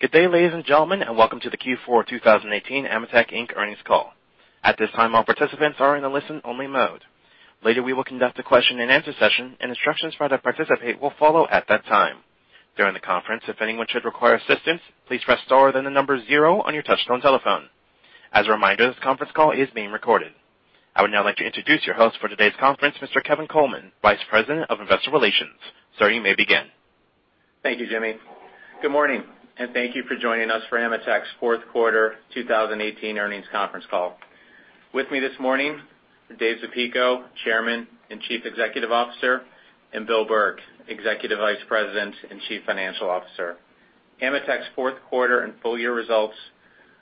Good day, ladies and gentlemen, welcome to the Q4 2018 AMETEK Inc. earnings call. At this time, all participants are in a listen-only mode. Later, we will conduct a question-and-answer session, and instructions for how to participate will follow at that time. During the conference, if anyone should require assistance, please press star, then the number zero on your touchtone telephone. As a reminder, this conference call is being recorded. I would now like to introduce your host for today's conference, Mr. Kevin Coleman, Vice President of Investor Relations. Sir, you may begin. Thank you, Jimmy. Good morning, thank you for joining us for AMETEK's fourth quarter 2018 earnings conference call. With me this morning are Dave Zapico, Chairman and Chief Executive Officer, and Bill Burke, Executive Vice President and Chief Financial Officer. AMETEK's fourth quarter and full year results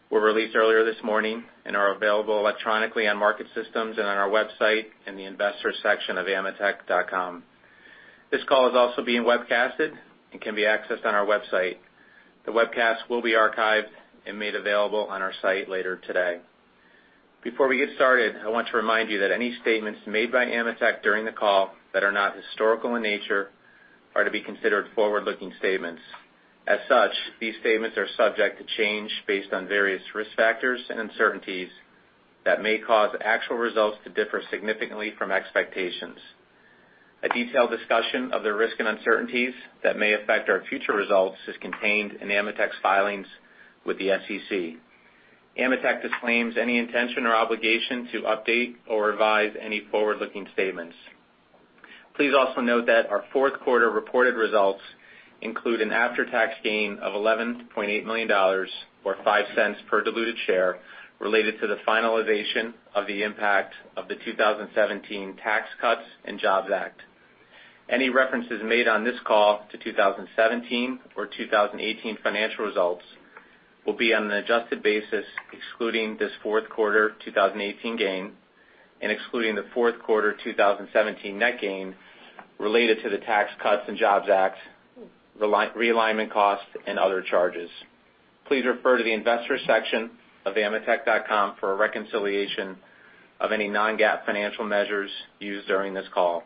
were released earlier this morning and are available electronically on market systems and on our website in the investor section of ametek.com. This call is also being webcasted and can be accessed on our website. The webcast will be archived and made available on our site later today. Before we get started, I want to remind you that any statements made by AMETEK during the call that are not historical in nature are to be considered forward-looking statements. As such, these statements are subject to change based on various risk factors and uncertainties that may cause actual results to differ significantly from expectations. A detailed discussion of the risk and uncertainties that may affect our future results is contained in AMETEK's filings with the SEC. AMETEK disclaims any intention or obligation to update or revise any forward-looking statements. Please also note that our fourth quarter reported results include an after-tax gain of $11.8 million, or $0.05 per diluted share, related to the finalization of the impact of the 2017 Tax Cuts and Jobs Act. Any references made on this call to 2017 or 2018 financial results will be on an adjusted basis excluding this fourth quarter 2018 gain and excluding the fourth quarter 2017 net gain related to the Tax Cuts and Jobs Act, realignment costs, and other charges. Please refer to the investor section of ametek.com for a reconciliation of any non-GAAP financial measures used during this call.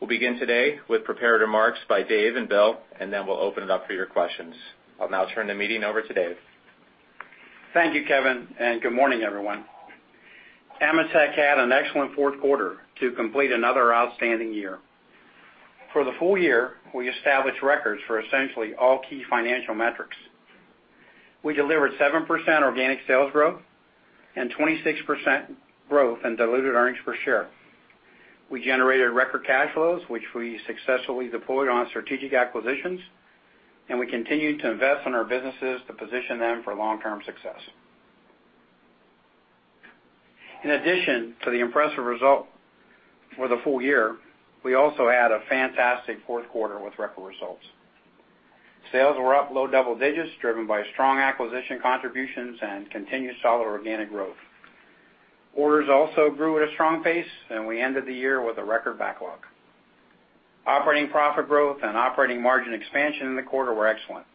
We'll begin today with prepared remarks by Dave and Bill, then we'll open it up for your questions. I'll now turn the meeting over to Dave. Thank you, Kevin, and good morning, everyone. AMETEK had an excellent fourth quarter to complete another outstanding year. For the full year, we established records for essentially all key financial metrics. We delivered 7% organic sales growth and 26% growth in diluted earnings per share. We generated record cash flows, which we successfully deployed on strategic acquisitions, and we continued to invest in our businesses to position them for long-term success. In addition to the impressive result for the full year, we also had a fantastic fourth quarter with record results. Sales were up low double digits, driven by strong acquisition contributions and continued solid organic growth. Orders also grew at a strong pace, and we ended the year with a record backlog. Operating profit growth and operating margin expansion in the quarter were excellent,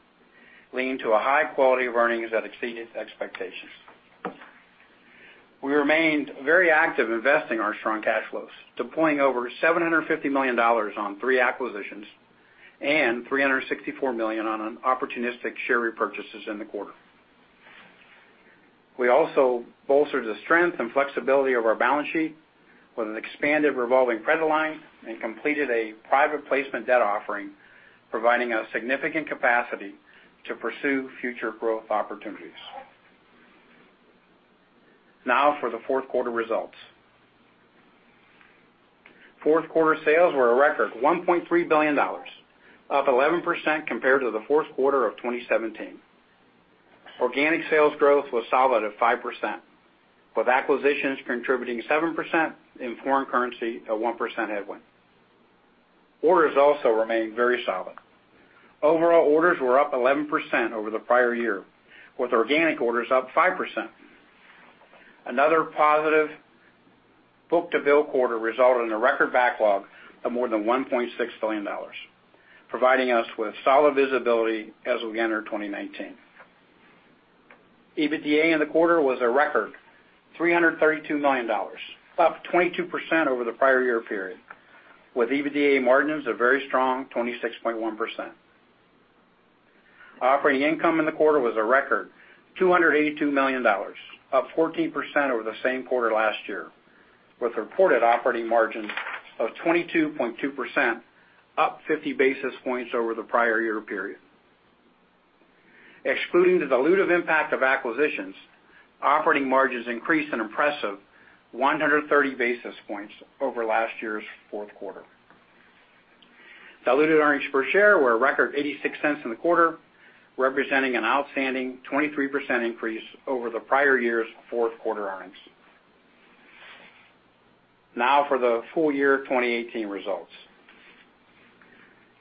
leading to a high quality of earnings that exceeded expectations. We remained very active investing our strong cash flows, deploying over $750 million on three acquisitions and $364 million on opportunistic share repurchases in the quarter. We also bolstered the strength and flexibility of our balance sheet with an expanded revolving credit line and completed a private placement debt offering, providing us significant capacity to pursue future growth opportunities. Now for the fourth quarter results. Fourth quarter sales were a record $1.3 billion, up 11% compared to the fourth quarter of 2017. Organic sales growth was solid at 5%, with acquisitions contributing 7% and foreign currency a 1% headwind. Orders also remained very solid. Overall orders were up 11% over the prior year, with organic orders up 5%. Another positive book-to-bill quarter resulted in a record backlog of more than $1.6 billion, providing us with solid visibility as we enter 2019. EBITDA in the quarter was a record $332 million, up 22% over the prior year period, with EBITDA margins a very strong 26.1%. Operating income in the quarter was a record $282 million, up 14% over the same quarter last year, with reported operating margins of 22.2%, up 50 basis points over the prior year period. Excluding the dilutive impact of acquisitions, operating margins increased an impressive 130 basis points over last year's fourth quarter. Diluted earnings per share were a record $0.86 in the quarter, representing an outstanding 23% increase over the prior year's fourth quarter earnings. Now for the full year 2018 results.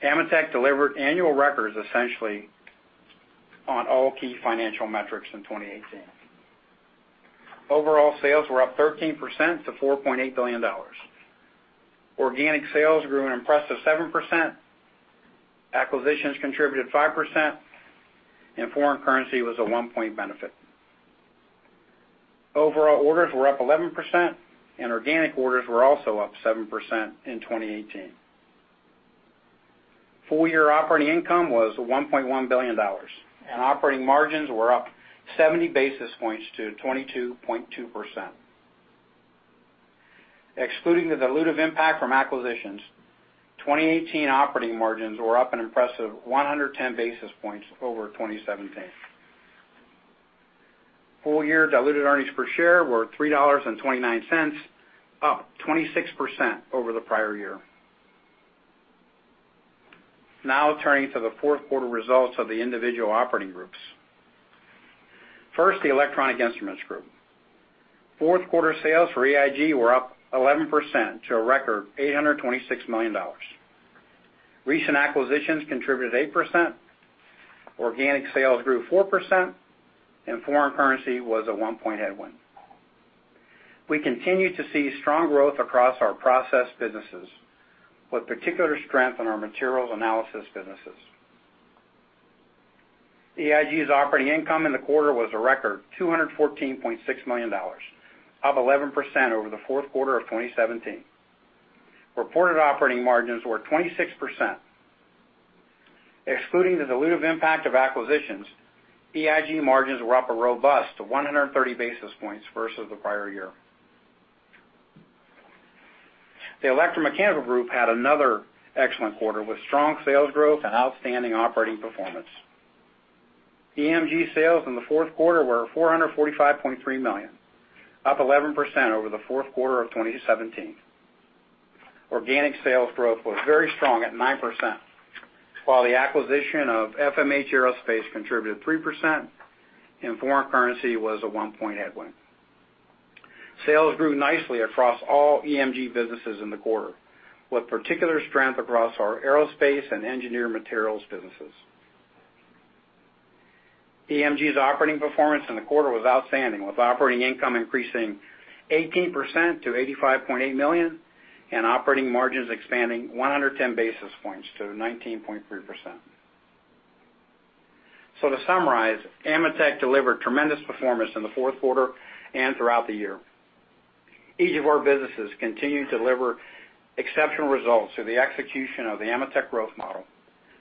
AMETEK delivered annual records essentially on all key financial metrics in 2018. Overall sales were up 13% to $4.8 billion. Organic sales grew an impressive 7%, acquisitions contributed 5%, and foreign currency was a one-point benefit. Overall orders were up 11%, and organic orders were also up 7% in 2018. Full-year operating income was $1.1 billion, and operating margins were up 70 basis points to 22.2%. Excluding the dilutive impact from acquisitions, 2018 operating margins were up an impressive 110 basis points over 2017. Full-year diluted earnings per share were $3.29, up 26% over the prior year. Now turning to the fourth quarter results of the individual operating groups. First, the Electronic Instruments Group. Fourth quarter sales for EIG were up 11% to a record $826 million. Recent acquisitions contributed 8%, organic sales grew 4%, and foreign currency was a one-point headwind. We continue to see strong growth across our process businesses, with particular strength in our materials analysis businesses. EIG's operating income in the quarter was a record $214.6 million, up 11% over the fourth quarter of 2017. Reported operating margins were 26%. Excluding the dilutive impact of acquisitions, EIG margins were up a robust to 130 basis points versus the prior year. The Electromechanical Group had another excellent quarter, with strong sales growth and outstanding operating performance. EMG sales in the fourth quarter were $445.3 million, up 11% over the fourth quarter of 2017. Organic sales growth was very strong at 9%, while the acquisition of FMH Aerospace contributed 3%, and foreign currency was a one-point headwind. Sales grew nicely across all EMG businesses in the quarter, with particular strength across our aerospace and engineered materials businesses. EMG's operating performance in the quarter was outstanding, with operating income increasing 18% to $85.8 million, and operating margins expanding 110 basis points to 19.3%. To summarize, AMETEK delivered tremendous performance in the fourth quarter and throughout the year. Each of our businesses continue to deliver exceptional results through the execution of the AMETEK Growth Model,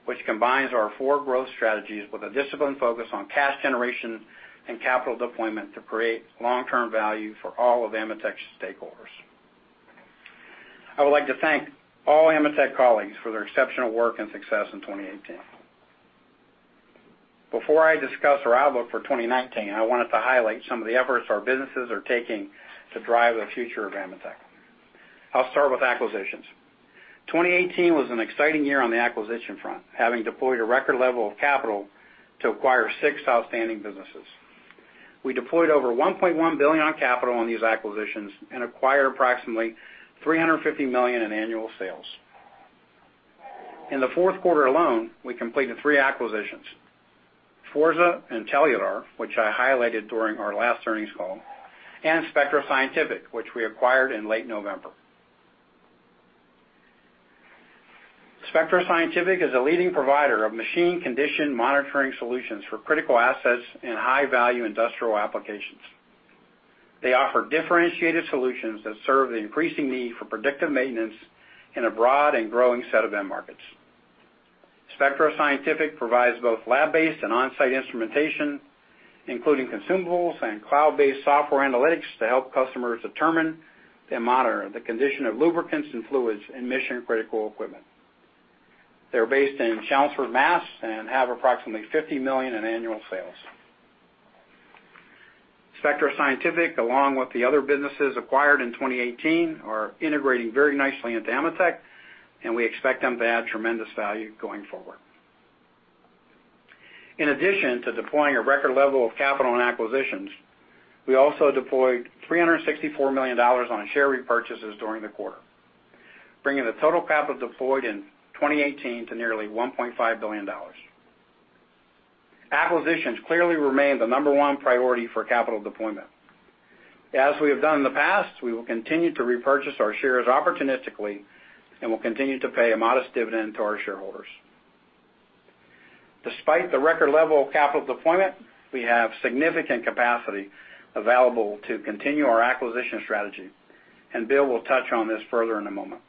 which combines our four growth strategies with a disciplined focus on cash generation and capital deployment to create long-term value for all of AMETEK's stakeholders. I would like to thank all AMETEK colleagues for their exceptional work and success in 2018. Before I discuss our outlook for 2019, I wanted to highlight some of the efforts our businesses are taking to drive the future of AMETEK. I'll start with acquisitions. 2018 was an exciting year on the acquisition front, having deployed a record level of capital to acquire six outstanding businesses. We deployed over $1.1 billion on capital on these acquisitions and acquired approximately $350 million in annual sales. In the fourth quarter alone, we completed three acquisitions. Forza and Telular, which I highlighted during our last earnings call, and Spectro Scientific, which we acquired in late November. Spectro Scientific is a leading provider of machine condition monitoring solutions for critical assets in high-value industrial applications. They offer differentiated solutions that serve the increasing need for predictive maintenance in a broad and growing set of end markets. Spectro Scientific provides both lab-based and on-site instrumentation, including consumables and cloud-based software analytics to help customers determine and monitor the condition of lubricants and fluids in mission-critical equipment. They're based in Chelmsford, Mass. and have approximately $50 million in annual sales. Spectro Scientific, along with the other businesses acquired in 2018, are integrating very nicely into AMETEK, and we expect them to add tremendous value going forward. In addition to deploying a record level of capital and acquisitions, we also deployed $364 million on share repurchases during the quarter, bringing the total capital deployed in 2018 to nearly $1.5 billion. Acquisitions clearly remain the number one priority for capital deployment. As we have done in the past, we will continue to repurchase our shares opportunistically and will continue to pay a modest dividend to our shareholders. Despite the record level of capital deployment, we have significant capacity available to continue our acquisition strategy, and Bill will touch on this further in a moment.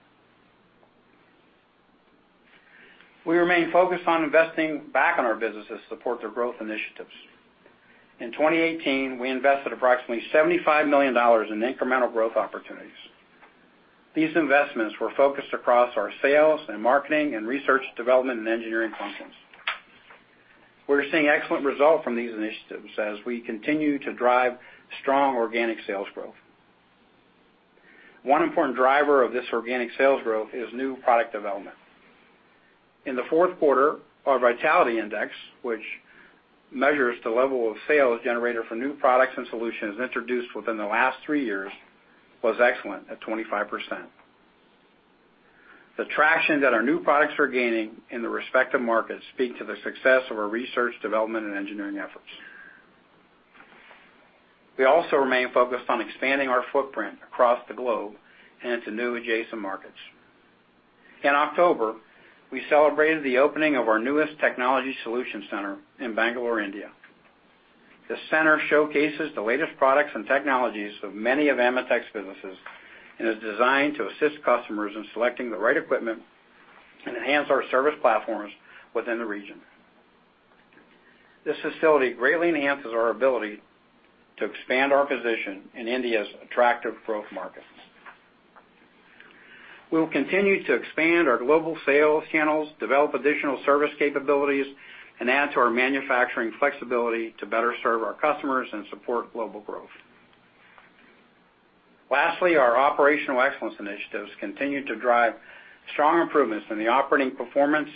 We remain focused on investing back in our business to support their growth initiatives. In 2018, we invested approximately $75 million in incremental growth opportunities. These investments were focused across our sales and marketing and research development and engineering functions. We're seeing excellent results from these initiatives as we continue to drive strong organic sales growth. One important driver of this organic sales growth is new product development. In the fourth quarter, our vitality index, which measures the level of sales generated from new products and solutions introduced within the last three years, was excellent at 25%. The traction that our new products are gaining in the respective markets speak to the success of our research, development, and engineering efforts. We also remain focused on expanding our footprint across the globe and into new adjacent markets. In October, we celebrated the opening of our newest technology solution center in Bangalore, India. The center showcases the latest products and technologies of many of AMETEK's businesses, and is designed to assist customers in selecting the right equipment and enhance our service platforms within the region. This facility greatly enhances our ability to expand our position in India's attractive growth markets. We will continue to expand our global sales channels, develop additional service capabilities, and add to our manufacturing flexibility to better serve our customers and support global growth. Lastly, our operational excellence initiatives continue to drive strong improvements in the operating performance,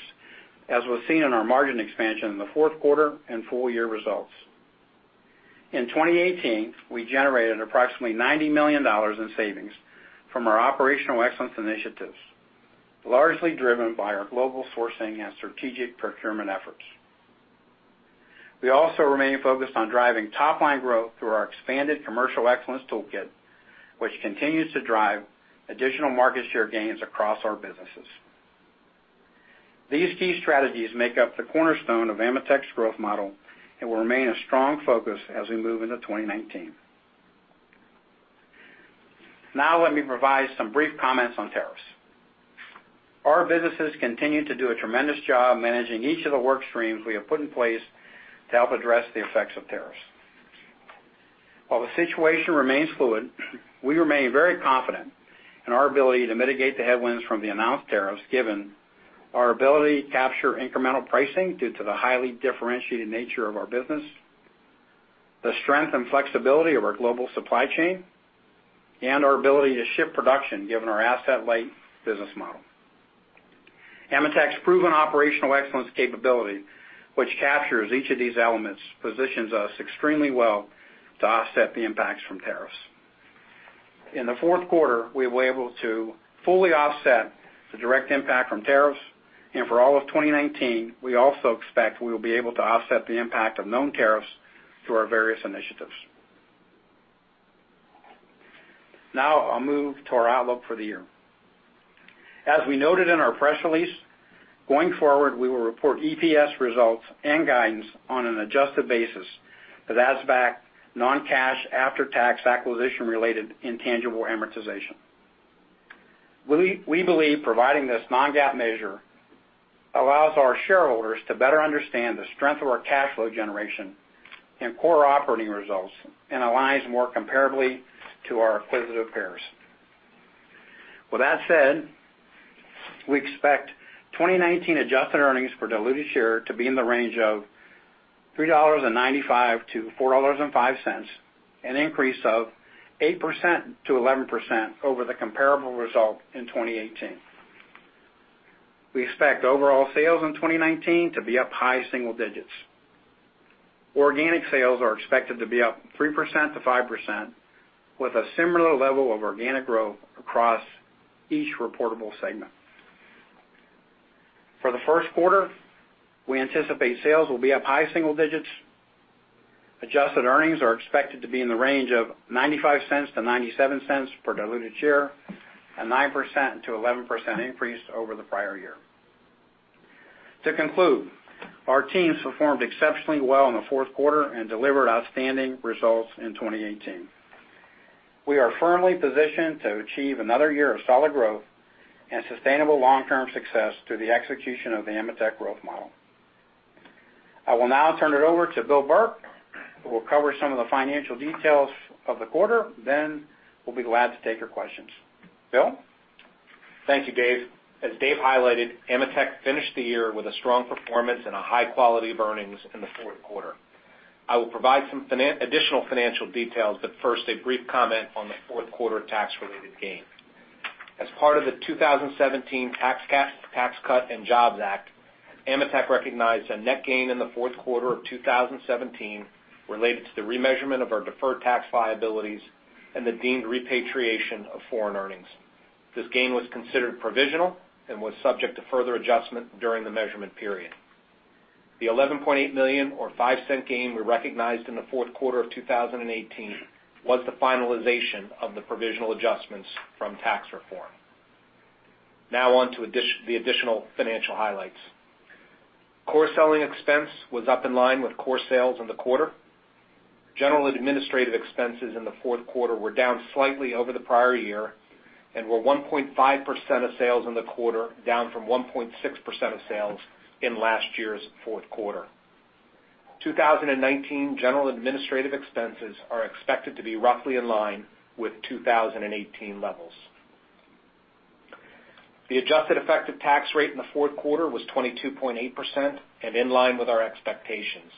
as was seen in our margin expansion in the fourth quarter and full year results. In 2018, we generated approximately $90 million in savings from our operational excellence initiatives, largely driven by our global sourcing and strategic procurement efforts. We also remain focused on driving top-line growth through our expanded commercial excellence toolkit, which continues to drive additional market share gains across our businesses. These key strategies make up the cornerstone of AMETEK's Growth Model and will remain a strong focus as we move into 2019. Let me provide some brief comments on tariffs. Our businesses continue to do a tremendous job managing each of the work streams we have put in place to help address the effects of tariffs. While the situation remains fluid, we remain very confident in our ability to mitigate the headwinds from the announced tariffs, given our ability to capture incremental pricing due to the highly differentiated nature of our business, the strength and flexibility of our global supply chain, and our ability to shift production given our asset-light business model. AMETEK's proven operational excellence capability, which captures each of these elements, positions us extremely well to offset the impacts from tariffs. In the fourth quarter, we were able to fully offset the direct impact from tariffs, and for all of 2019, we also expect we will be able to offset the impact of known tariffs through our various initiatives. I'll move to our outlook for the year. As we noted in our press release, going forward, we will report EPS results and guidance on an adjusted basis that adds back non-cash after-tax acquisition-related intangible amortization. We believe providing this non-GAAP measure allows our shareholders to better understand the strength of our cash flow generation and core operating results and aligns more comparably to our acquisitive peers. With that said, we expect 2019 adjusted earnings per diluted share to be in the range of $3.95-$4.05, an increase of 8%-11% over the comparable result in 2018. We expect overall sales in 2019 to be up high single digits. Organic sales are expected to be up 3%-5%, with a similar level of organic growth across each reportable segment. For the first quarter, we anticipate sales will be up high single digits. Adjusted earnings are expected to be in the range of $0.95-$0.97 per diluted share, a 9%-11% increase over the prior year. To conclude, our teams performed exceptionally well in the fourth quarter and delivered outstanding results in 2018. We are firmly positioned to achieve another year of solid growth and sustainable long-term success through the execution of the AMETEK Growth Model. I will now turn it over to Bill Burke, who will cover some of the financial details of the quarter. We'll be glad to take your questions. Bill? Thank you, Dave. As Dave highlighted, AMETEK finished the year with a strong performance and a high quality of earnings in the fourth quarter. I will provide some additional financial details, but first, a brief comment on the fourth quarter tax-related gain. As part of the 2017 Tax Cuts and Jobs Act, AMETEK recognized a net gain in the fourth quarter of 2017 related to the remeasurement of our deferred tax liabilities and the deemed repatriation of foreign earnings. This gain was considered provisional and was subject to further adjustment during the measurement period. The $11.8 million or $0.05 gain we recognized in the fourth quarter of 2018 was the finalization of the provisional adjustments from tax reform. On to the additional financial highlights. Core selling expense was up in line with core sales in the quarter. General administrative expenses in the fourth quarter were down slightly over the prior year and were 1.5% of sales in the quarter, down from 1.6% of sales in last year's fourth quarter. 2019 general administrative expenses are expected to be roughly in line with 2018 levels. The adjusted effective tax rate in the fourth quarter was 22.8% and in line with our expectations.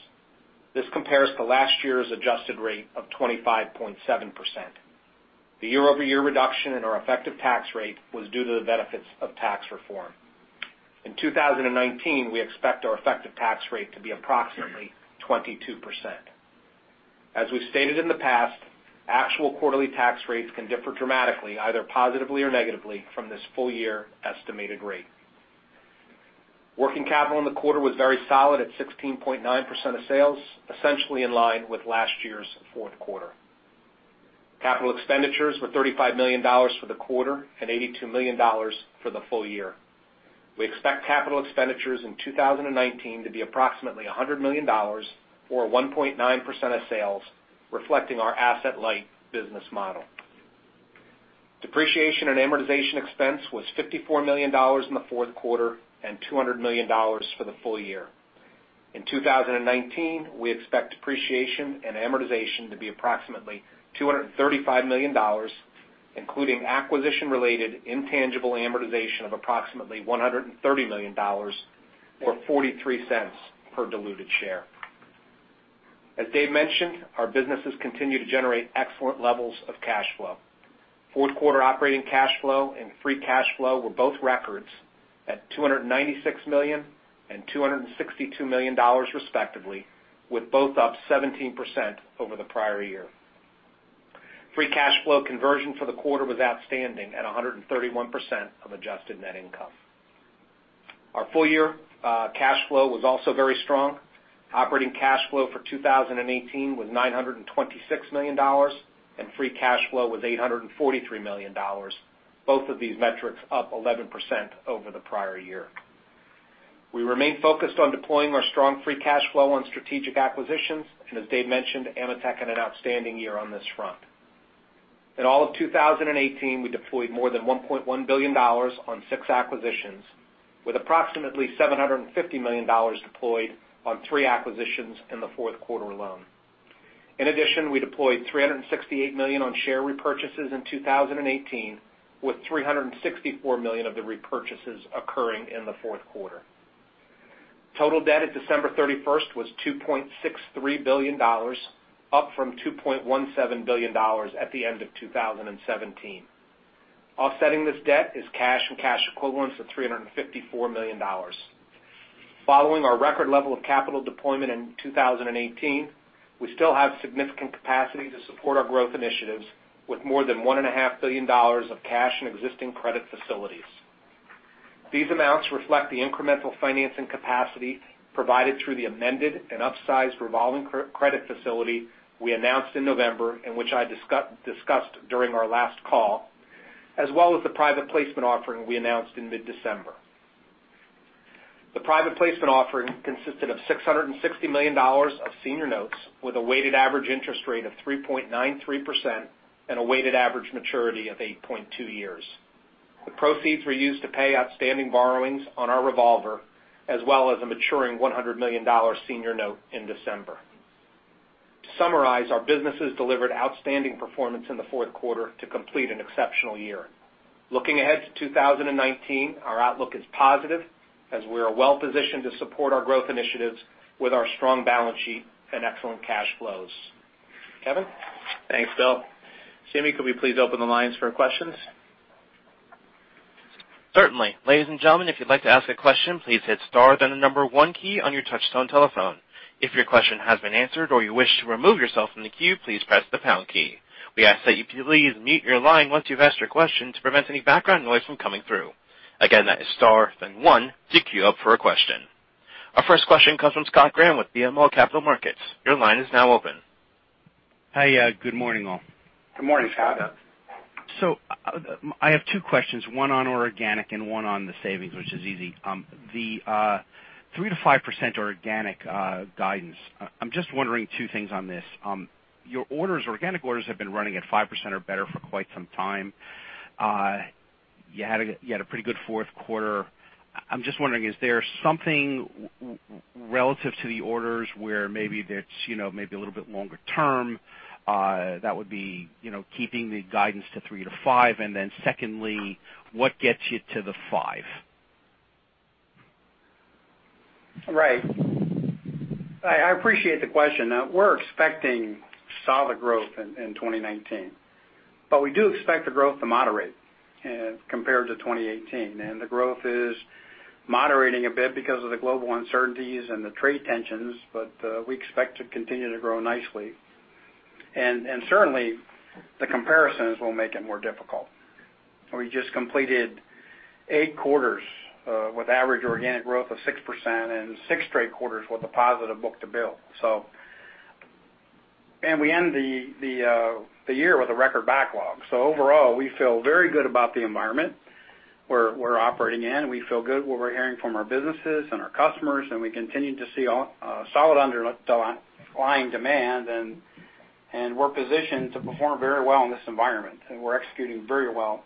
This compares to last year's adjusted rate of 25.7%. The year-over-year reduction in our effective tax rate was due to the benefits of tax reform. In 2019, we expect our effective tax rate to be approximately 22%. As we've stated in the past, actual quarterly tax rates can differ dramatically, either positively or negatively, from this full-year estimated rate. Working capital in the quarter was very solid at 16.9% of sales, essentially in line with last year's fourth quarter. Capital expenditures were $35 million for the quarter and $82 million for the full year. We expect capital expenditures in 2019 to be approximately $100 million or 1.9% of sales, reflecting our asset-light business model. Depreciation and amortization expense was $54 million in the fourth quarter and $200 million for the full year. In 2019, we expect depreciation and amortization to be approximately $235 million, including acquisition-related intangible amortization of approximately $130 million, or $0.43 per diluted share. As Dave mentioned, our businesses continue to generate excellent levels of cash flow. Fourth quarter operating cash flow and free cash flow were both records at $296 million and $262 million respectively, with both up 17% over the prior year. Free cash flow conversion for the quarter was outstanding at 131% of adjusted net income. Our full-year cash flow was also very strong. Operating cash flow for 2018 was $926 million, and free cash flow was $843 million. Both of these metrics up 11% over the prior year. We remain focused on deploying our strong free cash flow on strategic acquisitions, and as Dave mentioned, AMETEK had an outstanding year on this front. In all of 2018, we deployed more than $1.1 billion on 6 acquisitions, with approximately $750 million deployed on 3 acquisitions in the fourth quarter alone. In addition, we deployed $368 million on share repurchases in 2018, with $364 million of the repurchases occurring in the fourth quarter. Total debt at December 31st was $2.63 billion, up from $2.17 billion at the end of 2017. Offsetting this debt is cash and cash equivalents of $354 million. Following our record level of capital deployment in 2018, we still have significant capacity to support our growth initiatives with more than $1.5 billion of cash and existing credit facilities. These amounts reflect the incremental financing capacity provided through the amended and upsized revolving credit facility we announced in November, and which I discussed during our last call, as well as the private placement offering we announced in mid-December. The private placement offering consisted of $660 million of senior notes with a weighted average interest rate of 3.93% and a weighted average maturity of 8.2 years. The proceeds were used to pay outstanding borrowings on our revolver, as well as a maturing $100 million senior note in December. To summarize, our businesses delivered outstanding performance in the fourth quarter to complete an exceptional year. Looking ahead to 2019, our outlook is positive as we are well-positioned to support our growth initiatives with our strong balance sheet and excellent cash flows. Kevin? Thanks, Bill. Sammy, could we please open the lines for questions? Certainly. Ladies and gentlemen, if you'd like to ask a question, please hit star, then the number one key on your touchtone telephone. If your question has been answered or you wish to remove yourself from the queue, please press the pound key. We ask that you please mute your line once you've asked your question to prevent any background noise from coming through. Again, that is star, then one to queue up for a question. Our first question comes from Scott Graham with BMO Capital Markets. Your line is now open. Hi. Good morning, all. Good morning, Scott. I have two questions, one on organic and one on the savings, which is easy. The 3%-5% organic guidance, I'm just wondering two things on this. Your organic orders have been running at 5% or better for quite some time. You had a pretty good fourth quarter. I'm just wondering, is there something relative to the orders where maybe that's a little bit longer term that would be keeping the guidance to three to five? And then secondly, what gets you to the five? Right. I appreciate the question. We're expecting solid growth in 2019. We do expect the growth to moderate compared to 2018. The growth is moderating a bit because of the global uncertainties and the trade tensions. We expect to continue to grow nicely. Certainly, the comparisons will make it more difficult. We just completed eight quarters with average organic growth of 6% and six straight quarters with a positive book-to-bill. We end the year with a record backlog. Overall, we feel very good about the environment we're operating in. We feel good what we're hearing from our businesses and our customers. We continue to see solid underlying demand. We're positioned to perform very well in this environment. We're executing very well.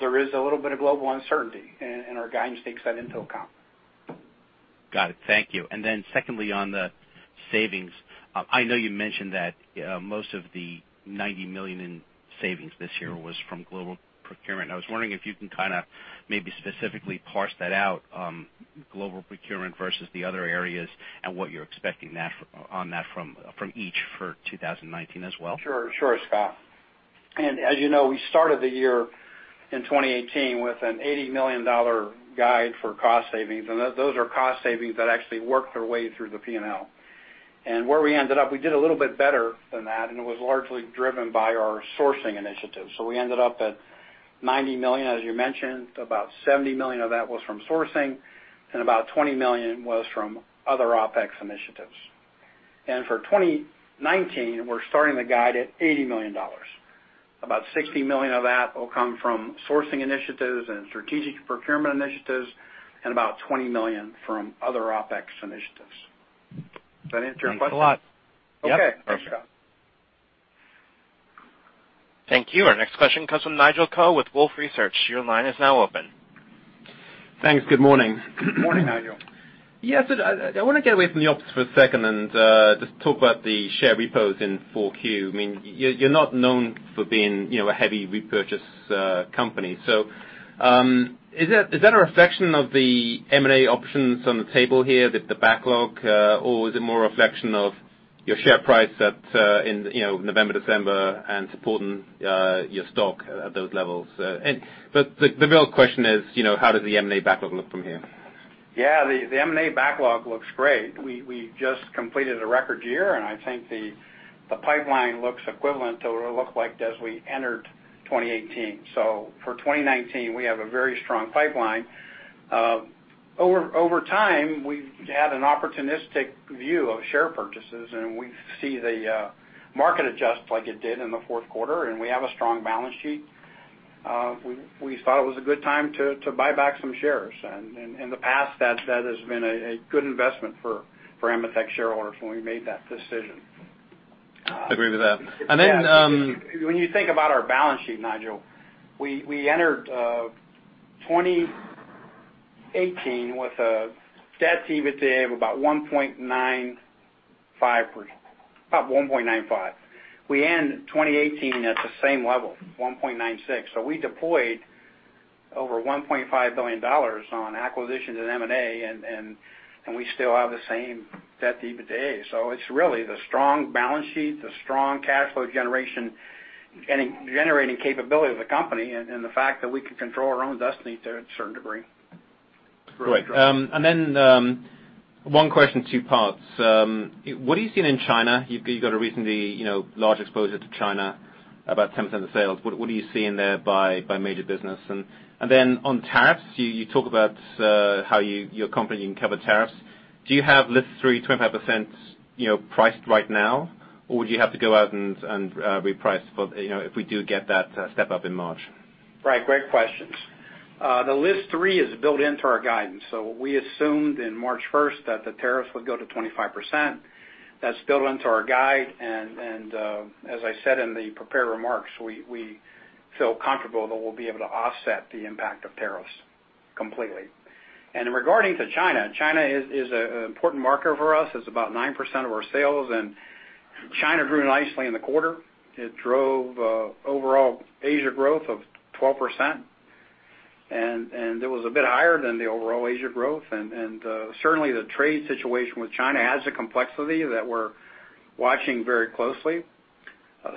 There is a little bit of global uncertainty, and our guidance takes that into account. Got it. Thank you. Then secondly, on the savings, I know you mentioned that most of the $90 million in savings this year was from global procurement. I was wondering if you can kind of maybe specifically parse that out, global procurement versus the other areas and what you're expecting on that from each for 2019 as well. Sure, Scott. As you know, we started the year in 2018 with an $80 million guide for cost savings. Those are cost savings that actually work their way through the P&L. Where we ended up, we did a little bit better than that. It was largely driven by our sourcing initiatives. We ended up at $90 million, as you mentioned. About $70 million of that was from sourcing and about $20 million was from other OPEX initiatives. For 2019, we're starting the guide at $80 million. About $60 million of that will come from sourcing initiatives and strategic procurement initiatives, and about $20 million from other OPEX initiatives. Does that answer your question? Thanks a lot. Okay. Yep. Perfect. Thanks, Scott. Thank you. Our next question comes from Nigel Coe with Wolfe Research. Your line is now open. Thanks. Good morning. Good morning, Nigel. Yes. I want to get away from the optics for a second and just talk about the share repos in 4Q. You're not known for being a heavy repurchase company. Is that a reflection of the M&A options on the table here with the backlog, or is it more a reflection of your share price in November, December, and supporting your stock at those levels? The real question is, how does the M&A backlog look from here? Yeah. The M&A backlog looks great. We just completed a record year, and I think the pipeline looks equivalent to what it looked like as we entered 2018. For 2019, we have a very strong pipeline. Over time, we've had an opportunistic view of share purchases, and we see the market adjust like it did in the fourth quarter, and we have a strong balance sheet. We thought it was a good time to buy back some shares. In the past, that has been a good investment for AMETEK shareholders when we made that decision. Agree with that. When you think about our balance sheet, Nigel, we entered 2018 with a debt-to-EBITDA of about 1.95. We end 2018 at the same level, 1.96. We deployed over $1.5 billion on acquisitions and M&A, and we still have the same debt-to-EBITDA. It's really the strong balance sheet, the strong cash flow generating capability of the company, and the fact that we can control our own destiny to a certain degree. Great. One question, two parts. What are you seeing in China? You've got a recently large exposure to China, about 10% of sales. What are you seeing there by major business? On tariffs, you talk about how your company can cover tariffs. Do you have List 3 25% priced right now, or would you have to go out and reprice if we do get that step up in March? Right. Great questions. The List 3 is built into our guidance. We assumed in March 1st that the tariffs would go to 25%. That's built into our guide, and as I said in the prepared remarks, we feel comfortable that we'll be able to offset the impact of tariffs completely. Regarding to China is an important market for us. It's about 9% of our sales, and China grew nicely in the quarter. It drove overall Asia growth of 12%, and it was a bit higher than the overall Asia growth. Certainly, the trade situation with China adds a complexity that we're watching very closely.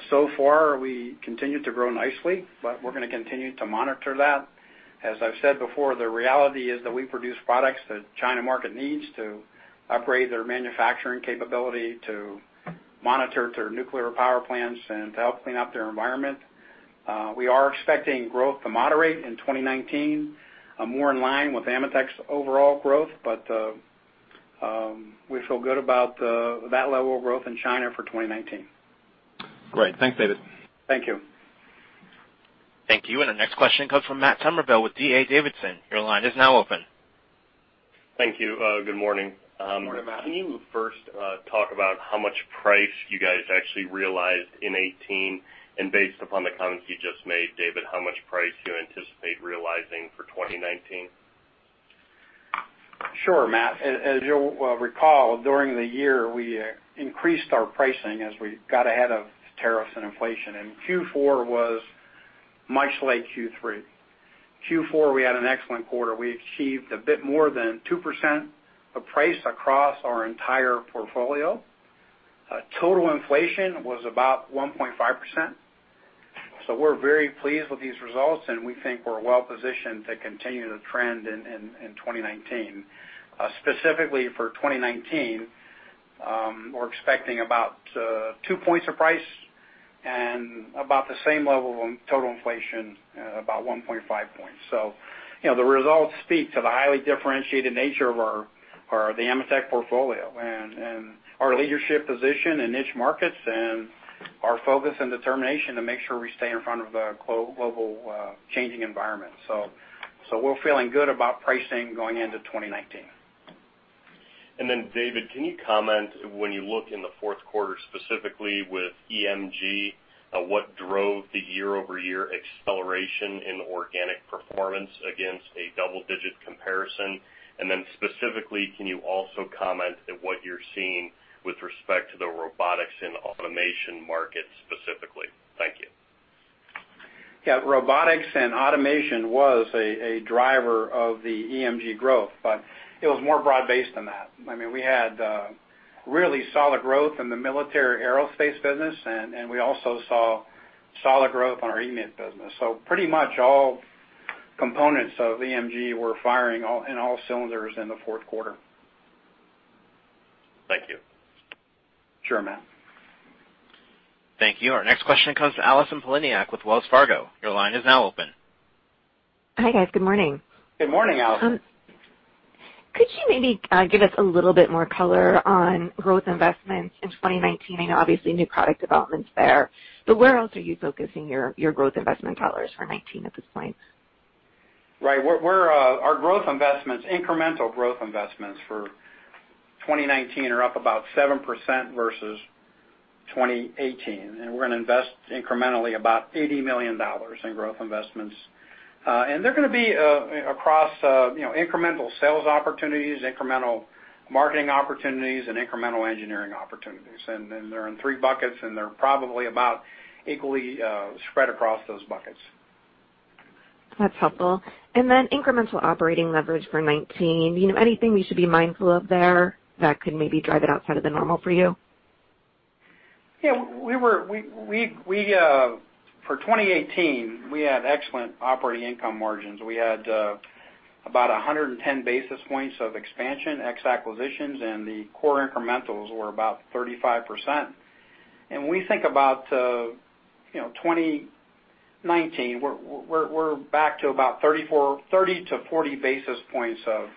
So far, we continue to grow nicely, but we're going to continue to monitor that. As I've said before, the reality is that we produce products that China market needs to upgrade their manufacturing capability, to monitor their nuclear power plants, and to help clean up their environment. We are expecting growth to moderate in 2019, more in line with AMETEK's overall growth, but we feel good about that level of growth in China for 2019. Great. Thanks, David. Thank you. Thank you. Our next question comes from Matt Summerville with D.A. Davidson. Your line is now open. Thank you. Good morning. Good morning, Matt. Can you first talk about how much price you guys actually realized in 2018, and based upon the comments you just made, David, how much price you anticipate realizing for 2019? Sure, Matt. As you'll recall, during the year, we increased our pricing as we got ahead of tariffs and inflation, and Q4 was much like Q3. Q4, we had an excellent quarter. We achieved a bit more than 2% of price across our entire portfolio. Total inflation was about 1.5%. We're very pleased with these results, and we think we're well positioned to continue the trend in 2019. Specifically for 2019, we're expecting about 2 points of price and about the same level of total inflation, about 1.5 points. The results speak to the highly differentiated nature of the AMETEK portfolio and our leadership position in niche markets and our focus and determination to make sure we stay in front of the global changing environment. We're feeling good about pricing going into 2019. David, can you comment when you look in the fourth quarter, specifically with EMG, what drove the year-over-year acceleration in organic performance against a double-digit comparison? Specifically, can you also comment what you're seeing with respect to the robotics and automation market specifically? Thank you. Yeah. Robotics and automation was a driver of the EMG growth, but it was more broad-based than that. We had really solid growth in the military aerospace business, and we also saw solid growth on our EM Test business. Pretty much all components of EMG were firing in all cylinders in the fourth quarter. Thank you. Sure, Matt. Thank you. Our next question comes to Allison Poliniak with Wells Fargo. Your line is now open. Hi, guys. Good morning. Good morning, Allison. Could you maybe give us a little bit more color on growth investments in 2019? I know obviously new product development's there, where else are you focusing your growth investment dollars for 2019 at this point? Right. Our incremental growth investments for 2019 are up about 7% versus 2018, we're going to invest incrementally about $80 million in growth investments. They're going to be across incremental sales opportunities, incremental marketing opportunities, and incremental engineering opportunities. They're in three buckets, and they're probably about equally spread across those buckets. That's helpful. Incremental operating leverage for 2019, anything we should be mindful of there that could maybe drive it outside of the normal for you? Yeah. For 2018, we had excellent operating income margins. We had about 110 basis points of expansion ex acquisitions, the core incrementals were about 35%. We think about 2019, we're back to about 30-40 basis points of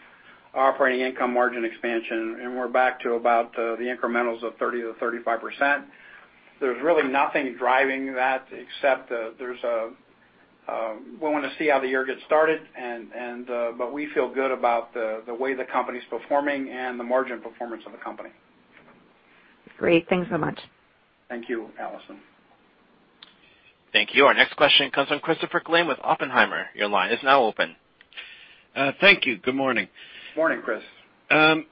operating income margin expansion, we're back to about the incrementals of 30%-35%. There's really nothing driving that except we want to see how the year gets started, we feel good about the way the company's performing and the margin performance of the company. Great. Thanks so much. Thank you, Allison. Thank you. Our next question comes from Christopher Glynn with Oppenheimer. Your line is now open. Thank you. Good morning. Morning, Chris.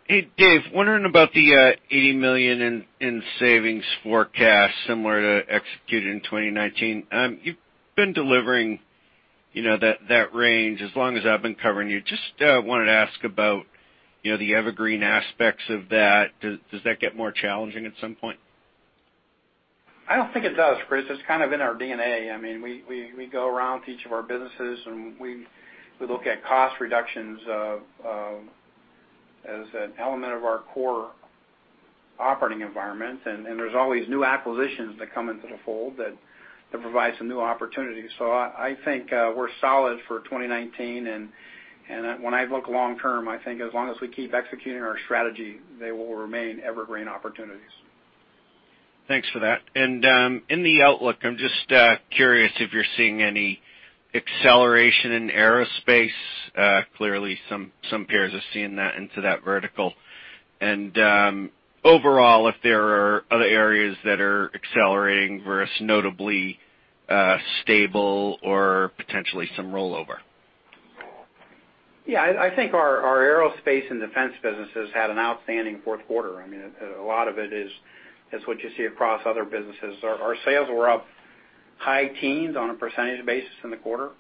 Hey, Dave, wondering about the $80 million in savings forecast similar to execute in 2019. You've been delivering that range as long as I've been covering you. Just wanted to ask about the evergreen aspects of that. Does that get more challenging at some point? I don't think it does, Chris. It's kind of in our DNA. We go around to each of our businesses, we look at cost reductions as an element of our core operating environment. There's always new acquisitions that come into the fold that provide some new opportunities. I think we're solid for 2019, when I look long term, I think as long as we keep executing our strategy, they will remain evergreen opportunities. Thanks for that. In the outlook, I'm just curious if you're seeing any acceleration in aerospace. Clearly, some peers are seeing that into that vertical. Overall, if there are other areas that are accelerating versus notably stable or potentially some rollover. Yeah, I think our aerospace and defense businesses had an outstanding fourth quarter. A lot of it is what you see across other businesses. Our sales were up high teens on a percentage basis in the quarter,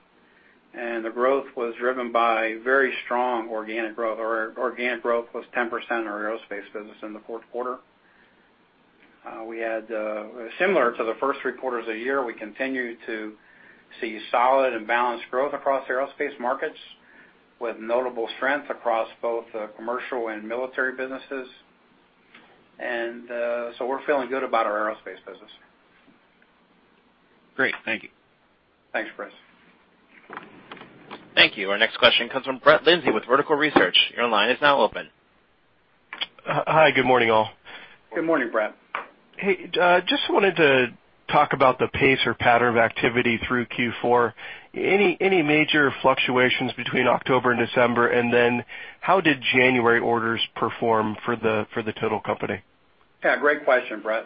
the growth was driven by very strong organic growth. Our organic growth was 10% in our aerospace business in the fourth quarter. Similar to the first three quarters of the year, we continue to see solid and balanced growth across aerospace markets with notable strength across both commercial and military businesses. We're feeling good about our aerospace business. Great. Thank you. Thanks, Chris. Thank you. Our next question comes from Brett Linzey with Vertical Research. Your line is now open. Hi, good morning, all. Good morning, Brett. Hey, just wanted to talk about the pace or pattern of activity through Q4. Any major fluctuations between October and December? Then how did January orders perform for the total company? Yeah, great question, Brett.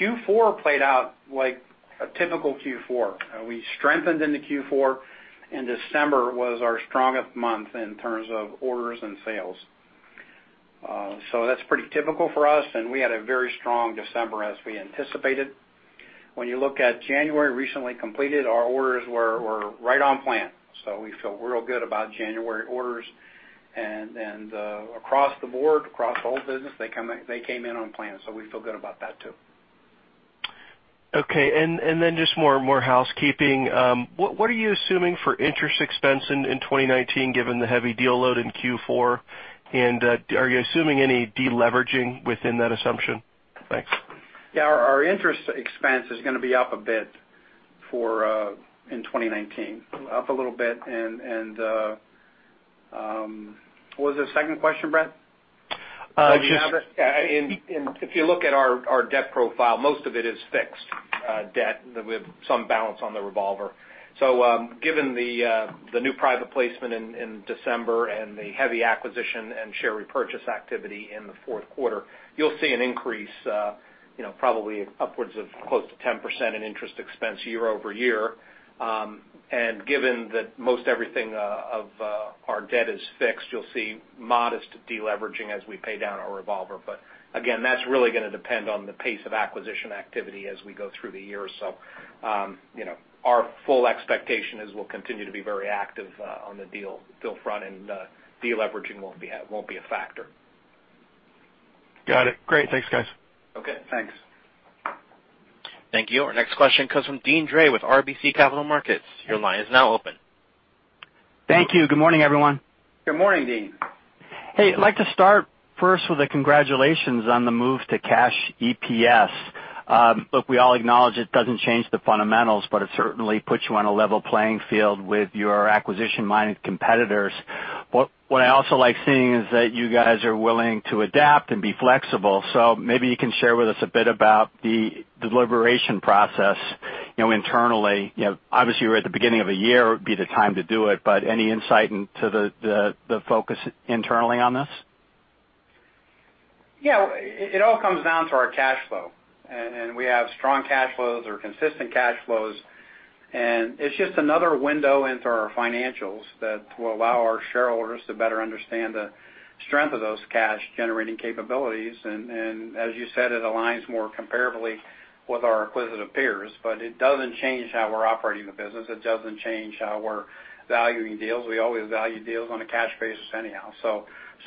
Q4 played out like a typical Q4. We strengthened into Q4. December was our strongest month in terms of orders and sales. That's pretty typical for us, and we had a very strong December as we anticipated. When you look at January recently completed, our orders were right on plan. We feel real good about January orders, and across the board, across the whole business, they came in on plan. We feel good about that, too. Okay. Then just more housekeeping. What are you assuming for interest expense in 2019 given the heavy deal load in Q4? Are you assuming any de-leveraging within that assumption? Thanks. Yeah, our interest expense is going to be up a bit in 2019. Up a little bit. What was the second question, Brett? If you look at our debt profile, most of it is fixed debt with some balance on the revolver. Given the new private placement in December and the heavy acquisition and share repurchase activity in the fourth quarter, you'll see an increase probably upwards of close to 10% in interest expense year-over-year. Given that most everything of our debt is fixed, you'll see modest de-leveraging as we pay down our revolver. Again, that's really going to depend on the pace of acquisition activity as we go through the year. Our full expectation is we'll continue to be very active on the deal front, and de-leveraging won't be a factor. Got it. Great. Thanks, guys. Okay, thanks. Thank you. Our next question comes from Deane Dray with RBC Capital Markets. Your line is now open. Thank you. Good morning, everyone. Good morning, Deane. Hey, I'd like to start first with a congratulations on the move to cash EPS. Look, we all acknowledge it doesn't change the fundamentals, but it certainly puts you on a level playing field with your acquisition-minded competitors. What I also like seeing is that you guys are willing to adapt and be flexible. Maybe you can share with us a bit about the deliberation process internally. Obviously, you were at the beginning of a year, it would be the time to do it, but any insight into the focus internally on this? Yeah. It all comes down to our cash flow, we have strong cash flows or consistent cash flows. It's just another window into our financials that will allow our shareholders to better understand the strength of those cash-generating capabilities. As you said, it aligns more comparably with our acquisitive peers, but it doesn't change how we're operating the business. It doesn't change how we're valuing deals. We always value deals on a cash basis anyhow.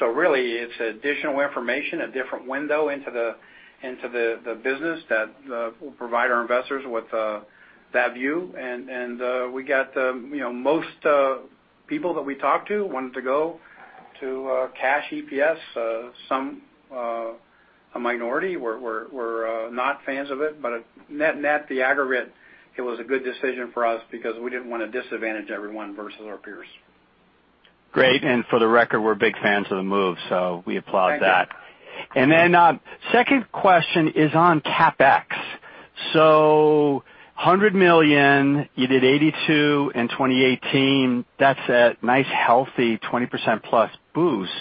Really, it's additional information, a different window into the business that will provide our investors with that view. We got most people that we talked to wanted to go to cash EPS. A minority were not fans of it, but net, the aggregate, it was a good decision for us because we didn't want to disadvantage everyone versus our peers. Great. For the record, we're big fans of the move, we applaud that. Thank you. Second question is on CapEx. $100 million, you did $82 in 2018. That's a nice, healthy 20%+ boost.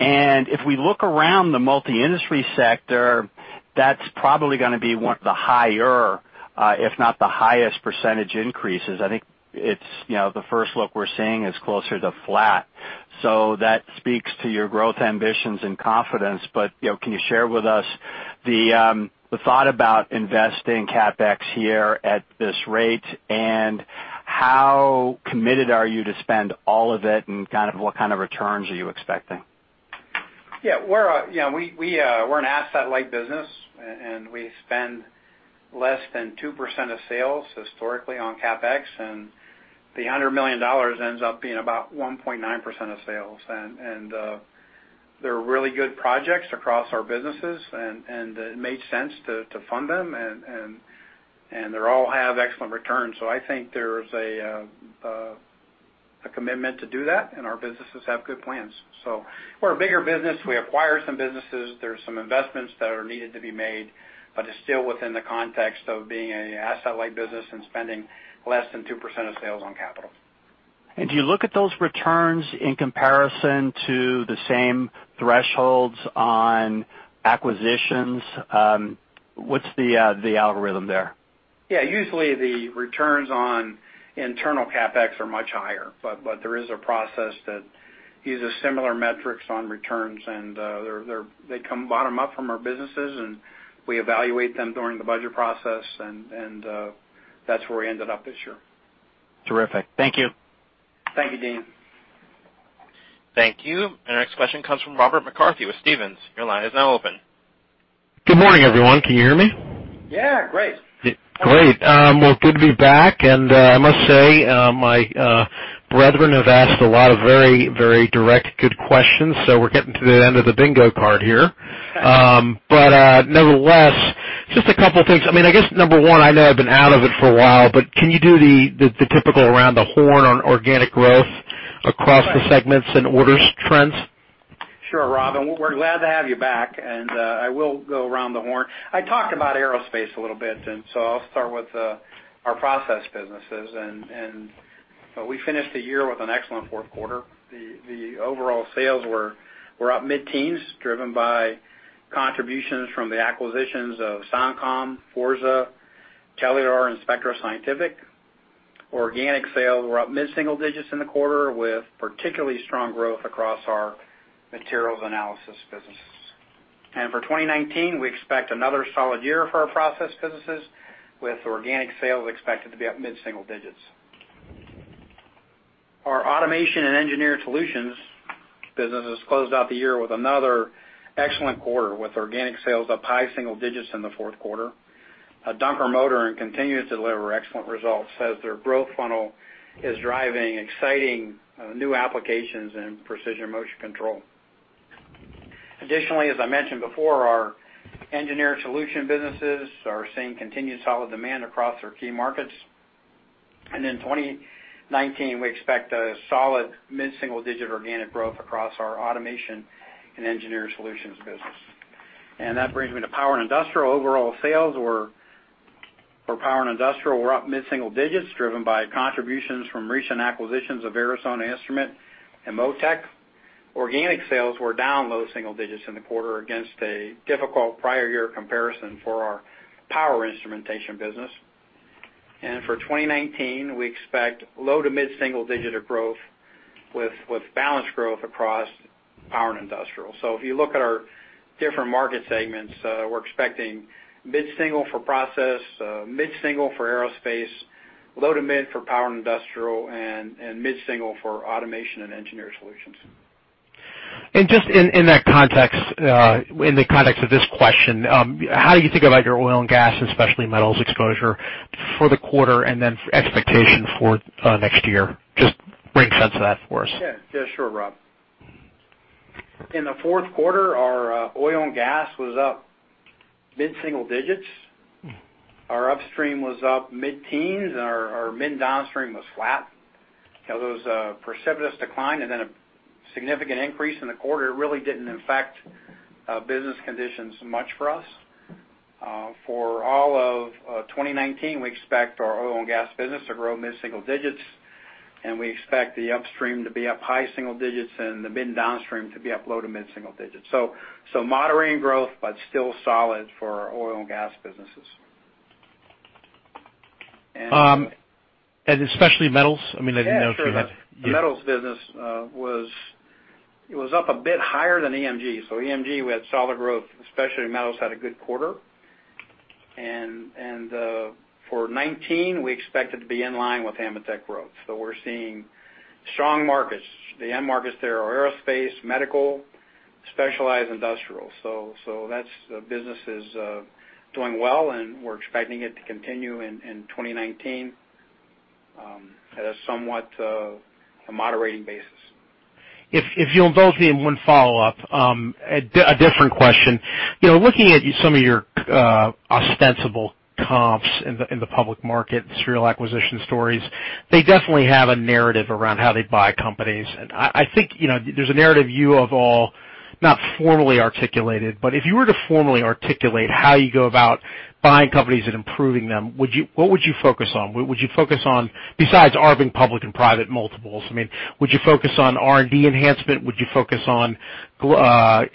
If we look around the multi-industry sector, that's probably gonna be one of the higher, if not the highest percentage increases. I think the first look we're seeing is closer to flat. That speaks to your growth ambitions and confidence. Can you share with us the thought about investing CapEx here at this rate, how committed are you to spend all of it, and what kind of returns are you expecting? Yeah. We're an asset-light business, we spend less than 2% of sales historically on CapEx, the $100 million ends up being about 1.9% of sales. They're really good projects across our businesses, it made sense to fund them, they all have excellent returns. I think there's a commitment to do that, our businesses have good plans. We're a bigger business. We acquire some businesses. There's some investments that are needed to be made, it's still within the context of being an asset-light business spending less than 2% of sales on capital. Do you look at those returns in comparison to the same thresholds on acquisitions? What's the algorithm there? Yeah. Usually, the returns on internal CapEx are much higher, but there is a process that uses similar metrics on returns, and they come bottom up from our businesses, and we evaluate them during the budget process, and that's where we ended up this year. Terrific. Thank you. Thank you, Deane. Thank you. Our next question comes from Robert McCarthy with Stephens. Your line is now open. Good morning, everyone. Can you hear me? Yeah. Great. Great. Well, good to be back, and I must say, my brethren have asked a lot of very direct, good questions, so we're getting to the end of the bingo card here. Okay. Nevertheless, just a couple of things. I guess, number one, I know I've been out of it for a while, can you do the typical around the horn on organic growth across the segments and orders trends? Sure, Rob, we're glad to have you back, I will go around the horn. I talked about aerospace a little bit, I'll start with our process businesses. We finished the year with an excellent fourth quarter. The overall sales were up mid-teens, driven by contributions from the acquisitions of SoundCom, Forza, Telular, and Spectro Scientific. Organic sales were up mid-single digits in the quarter, with particularly strong growth across our materials analysis businesses. For 2019, we expect another solid year for our process businesses, with organic sales expected to be up mid-single digits. Our automation and engineering solutions businesses closed out the year with another excellent quarter, with organic sales up high single digits in the fourth quarter. Dunkermotoren continues to deliver excellent results as their growth funnel is driving exciting new applications in precision motion control. Additionally, as I mentioned before, our engineering solution businesses are seeing continued solid demand across our key markets. In 2019, we expect a solid mid-single-digit organic growth across our automation and engineering solutions business. That brings me to power and industrial. Overall sales for power and industrial were up mid-single digits, driven by contributions from recent acquisitions of Arizona Instrument and MOCON. Organic sales were down low single digits in the quarter against a difficult prior year comparison for our power instrumentation business. For 2019, we expect low to mid-single-digit growth with balanced growth across power and industrial. If you look at our different market segments, we're expecting mid-single for process, mid-single for aerospace, low to mid for power and industrial, and mid-single for automation and engineered solutions. Just in the context of this question, how do you think about your oil and gas, especially metals exposure for the quarter, and then expectation for next year? Just bring sense to that for us. Sure, Rob. In the fourth quarter, our oil and gas was up mid-single digits. Our upstream was up mid-teens. Our mid downstream was flat. There was a precipitous decline, then a significant increase in the quarter. It really didn't affect business conditions much for us. For all of 2019, we expect our oil and gas business to grow mid-single digits. We expect the upstream to be up high single digits and the mid downstream to be up low to mid-single digits. Moderating growth, still solid for our oil and gas businesses. Especially metals? I didn't know if you had. Sure. The metals business was up a bit higher than EMG. EMG, we had solid growth, especially metals had a good quarter. For 2019, we expect it to be in line with AMETEK growth. We're seeing strong markets. The end markets there are aerospace, medical, specialized industrial. That business is doing well, we're expecting it to continue in 2019, at a somewhat moderating basis. If you'll indulge me in one follow-up, a different question. Looking at some of your ostensible comps in the public market, serial acquisition stories, they definitely have a narrative around how they buy companies. I think, there's a narrative you have all not formally articulated, but if you were to formally articulate how you go about buying companies and improving them, what would you focus on? Would you focus on, besides arbing public and private multiples, would you focus on R&D enhancement? Would you focus on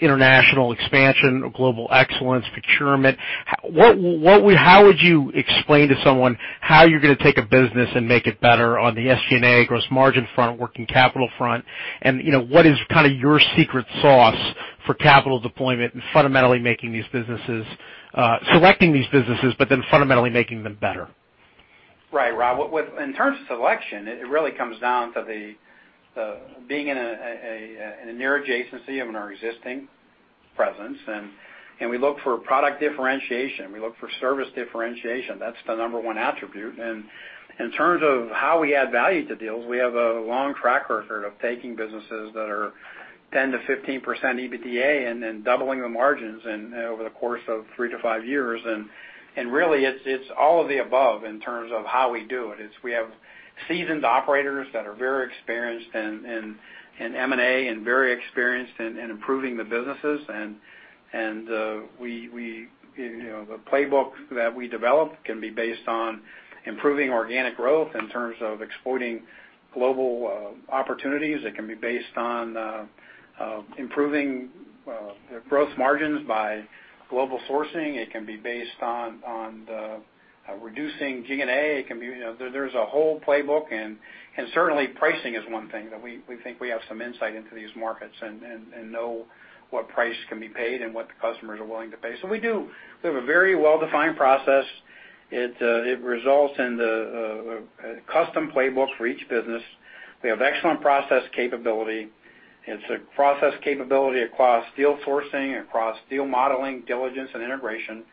international expansion or global excellence procurement? How would you explain to someone how you're going to take a business and make it better on the SG&A gross margin front, working capital front? What is kind of your secret sauce for capital deployment and selecting these businesses, but then fundamentally making them better? Right, Rob. In terms of selection, it really comes down to being in a near adjacency of our existing presence, and we look for product differentiation. We look for service differentiation. That's the number one attribute. In terms of how we add value to deals, we have a long track record of taking businesses that are 10%-15% EBITDA and then doubling the margins over the course of three to five years. Really, it's all of the above in terms of how we do it. We have seasoned operators that are very experienced in M&A and very experienced in improving the businesses. The playbook that we develop can be based on improving organic growth in terms of exploiting global opportunities. It can be based on improving growth margins by global sourcing. It can be based on reducing G&A. There's a whole playbook, and certainly pricing is one thing that we think we have some insight into these markets, and know what price can be paid and what the customers are willing to pay. We do. We have a very well-defined process. It results in a custom playbook for each business. We have excellent process capability. It's a process capability across deal sourcing, across deal modeling, diligence, and integration.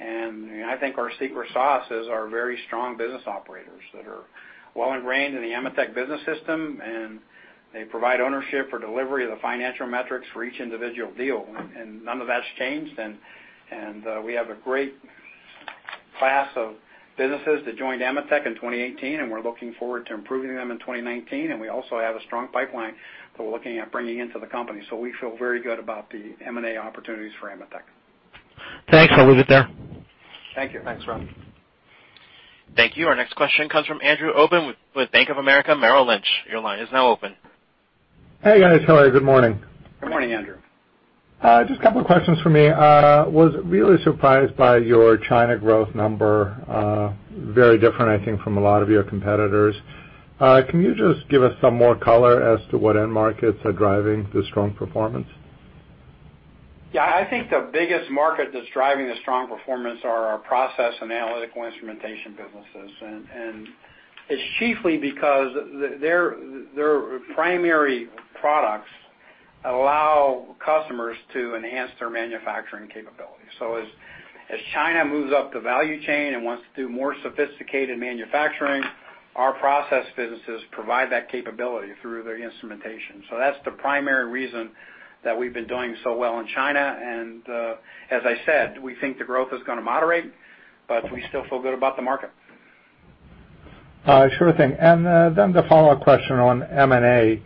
I think our secret sauce is our very strong business operators that are well ingrained in the AMETEK business system, and they provide ownership for delivery of the financial metrics for each individual deal. None of that's changed, and we have a great class of businesses that joined AMETEK in 2018, and we're looking forward to improving them in 2019. We also have a strong pipeline that we're looking at bringing into the company. We feel very good about the M&A opportunities for AMETEK. Thanks. I'll leave it there. Thank you. Thanks, Rob. Thank you. Our next question comes from Andrew Obin with Bank of America Merrill Lynch. Your line is now open. Hey, guys. How are you? Good morning. Good morning, Andrew. I was really surprised by your China growth number. Very different, I think, from a lot of your competitors. Can you just give us some more color as to what end markets are driving the strong performance? Yeah. I think the biggest market that's driving the strong performance are our process and analytical instrumentation businesses, and it's chiefly because their primary products allow customers to enhance their manufacturing capabilities. As China moves up the value chain and wants to do more sophisticated manufacturing, our process businesses provide that capability through their instrumentation. As I said, we think the growth is going to moderate, but we still feel good about the market. Sure thing. The follow-up question on M&A.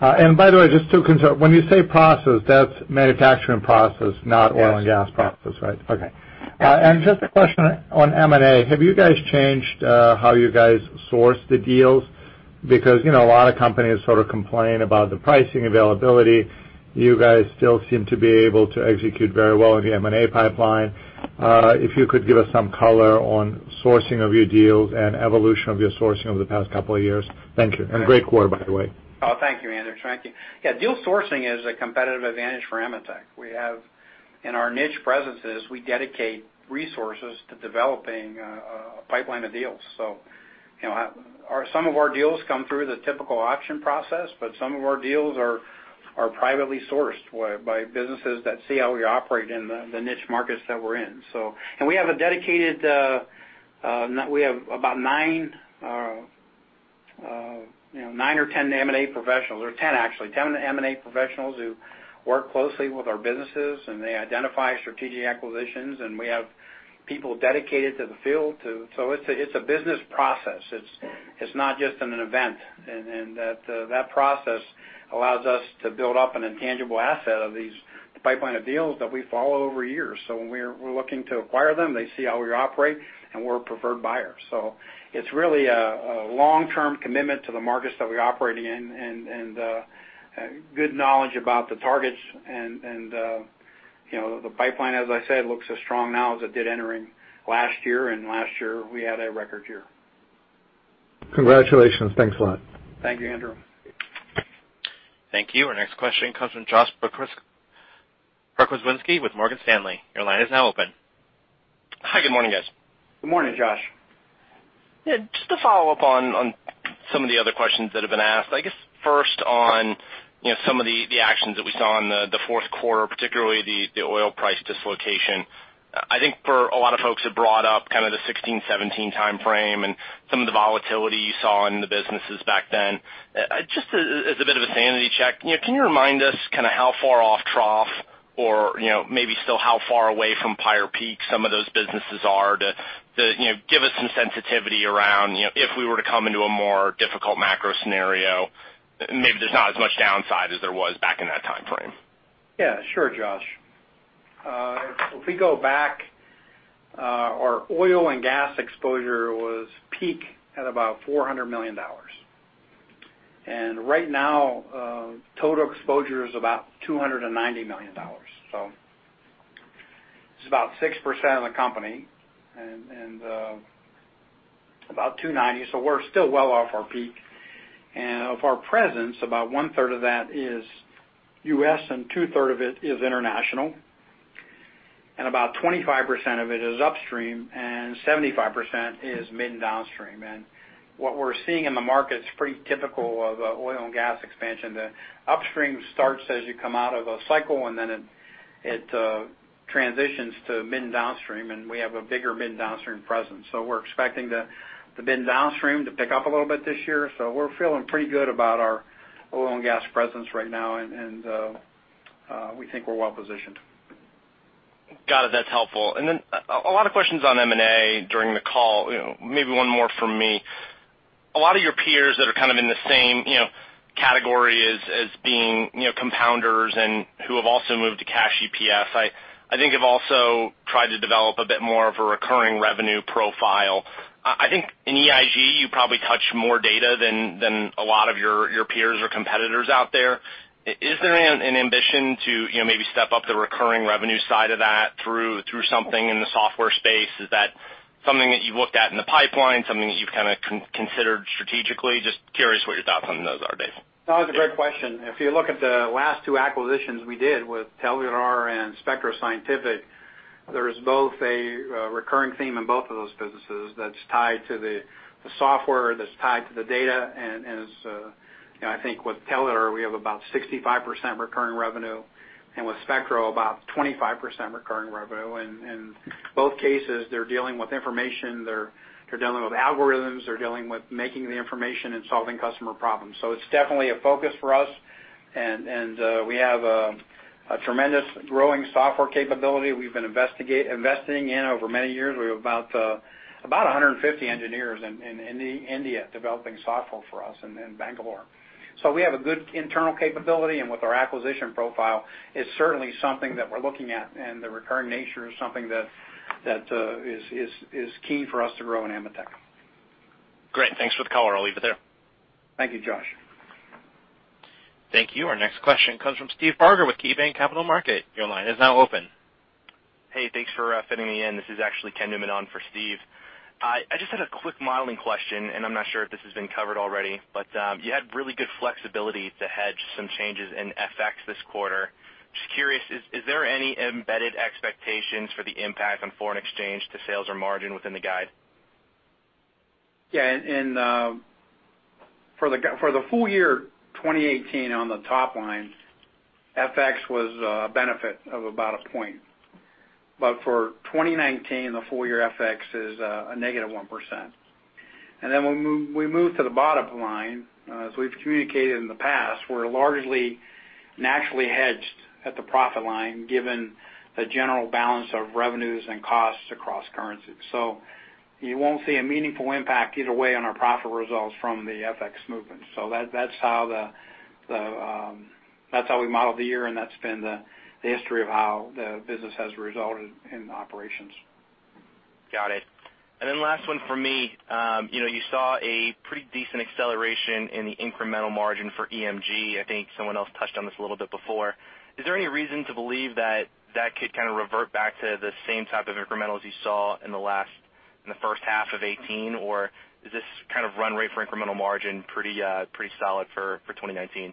By the way, just to confirm, when you say process, that's manufacturing process, not oil and gas process, right? Yes. Okay. Just a question on M&A. Have you guys changed how you guys source the deals? A lot of companies sort of complain about the pricing availability. You guys still seem to be able to execute very well in the M&A pipeline. If you could give us some color on sourcing of your deals and evolution of your sourcing over the past couple of years. Thank you. Great quarter, by the way. Oh, thank you, Andrew. Thank you. Yeah, deal sourcing is a competitive advantage for AMETEK. In our niche presences, we dedicate resources to developing a pipeline of deals. Some of our deals come through the typical auction process, but some of our deals are privately sourced by businesses that see how we operate in the niche markets that we're in. We have about 9 or 10 M&A professionals. 10, actually, 10 M&A professionals who work closely with our businesses, and they identify strategic acquisitions, and we have people dedicated to the field too. It's a business process. It's not just an event. That process allows us to build up an intangible asset of these pipeline of deals that we follow over years. When we're looking to acquire them, they see how we operate, and we're a preferred buyer. It's really a long-term commitment to the markets that we operate in and good knowledge about the targets. The pipeline, as I said, looks as strong now as it did entering last year, and last year we had a record year. Congratulations. Thanks a lot. Thank you, Andrew. Thank you. Our next question comes from Josh Berkowitz with Morgan Stanley. Your line is now open. Hi, good morning, guys. Good morning, Josh. Just to follow up on some of the other questions that have been asked. I guess first on some of the actions that we saw in the fourth quarter, particularly the oil price dislocation. I think for a lot of folks who brought up kind of the 2016, 2017 timeframe and some of the volatility you saw in the businesses back then. Just as a bit of a sanity check, can you remind us how far off trough or maybe still how far away from prior peak some of those businesses are to give us some sensitivity around if we were to come into a more difficult macro scenario, maybe there's not as much downside as there was back in that timeframe. Sure, Josh. If we go back, our oil and gas exposure was peak at about $400 million. Right now, total exposure is about $290 million. It's about 6% of the company and about $290 million, so we're still well off our peak. Of our presence, about one-third of that is U.S., and two-third of it is international. About 25% of it is upstream and 75% is mid and downstream. What we're seeing in the market's pretty typical of oil and gas expansion. The upstream starts as you come out of a cycle, it transitions to mid and downstream, and we have a bigger mid and downstream presence. We're expecting the mid and downstream to pick up a little bit this year. We're feeling pretty good about our oil and gas presence right now, and we think we're well-positioned. Got it. That's helpful. A lot of questions on M&A during the call, maybe one more from me. A lot of your peers that are kind of in the same category as being compounders and who have also moved to cash EPS, I think have also tried to develop a bit more of a recurring revenue profile. I think in EIG, you probably touch more data than a lot of your peers or competitors out there. Is there an ambition to maybe step up the recurring revenue side of that through something in the software space? Is that something that you've looked at in the pipeline, something that you've kind of considered strategically? Just curious what your thoughts on those are, Dave. No, it's a great question. If you look at the last two acquisitions we did with Telular and Spectro Scientific, there is both a recurring theme in both of those businesses that's tied to the software, that's tied to the data, and is, I think with Telular, we have about 65% recurring revenue, and with Spectro, about 25% recurring revenue. In both cases, they're dealing with information, they're dealing with algorithms, they're dealing with making the information and solving customer problems. It's definitely a focus for us, and we have a tremendous growing software capability we've been investing in over many years. We have about 150 engineers in India developing software for us in Bangalore. We have a good internal capability, and with our acquisition profile, it's certainly something that we're looking at, and the recurring nature is something that is key for us to grow in AMETEK. Great. Thanks for the color. I'll leave it there. Thank you, Josh. Thank you. Our next question comes from Steve Barger with KeyBanc Capital Markets. Your line is now open. Hey, thanks for fitting me in. This is actually Ken Newman for Steve. I just had a quick modeling question, and I'm not sure if this has been covered already. You had really good flexibility to hedge some changes in FX this quarter. Just curious, is there any embedded expectations for the impact on foreign exchange to sales or margin within the guide? Yeah. For the full year 2018 on the top line, FX was a benefit of about a point. For 2019, the full year FX is a negative 1%. When we move to the bottom line, as we've communicated in the past, we're largely naturally hedged at the profit line given the general balance of revenues and costs across currencies. You won't see a meaningful impact either way on our profit results from the FX movement. That's how we modeled the year, and that's been the history of how the business has resulted in operations. Got it. Last one for me. You saw a pretty decent acceleration in the incremental margin for EMG. I think someone else touched on this a little bit before. Is there any reason to believe that that could kind of revert back to the same type of incremental as you saw in the first half of 2018, or is this kind of run rate for incremental margin pretty solid for 2019?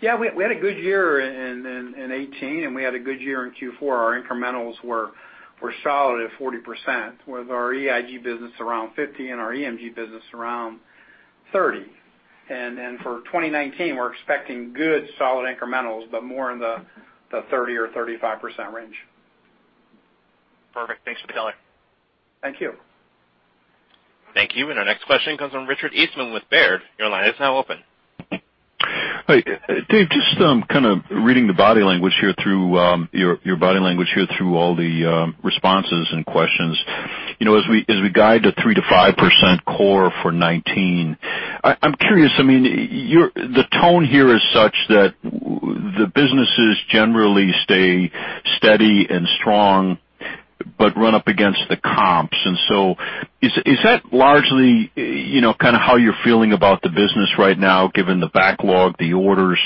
Yeah. We had a good year in 2018, and we had a good year in Q4. Our incrementals were solid at 40%, with our EIG business around 50%, and our EMG business around 30%. For 2019, we're expecting good solid incrementals, but more in the 30% or 35% range. Perfect. Thanks for the color. Thank you. Thank you. Our next question comes from Richard Eastman with Baird. Your line is now open. Hi. Dave, just kind of reading your body language here through all the responses and questions. As we guide a 3%-5% core for 2019, I'm curious. The tone here is such that the businesses generally stay steady and strong, but run up against the comps. Is that largely kind of how you're feeling about the business right now, given the backlog, the orders?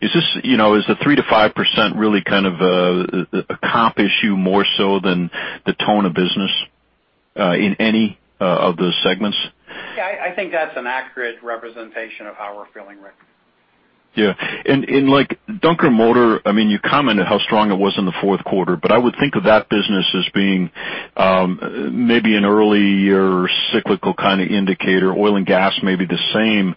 Is the 3%-5% really kind of a comp issue more so than the tone of business in any of the segments? Yeah, I think that's an accurate representation of how we're feeling, Rick. Yeah. Like Dunkermotoren, you commented how strong it was in the fourth quarter, I would think of that business as being maybe an earlier cyclical kind of indicator. Oil and gas may be the same,